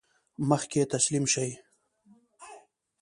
مخکې تسلیم شي.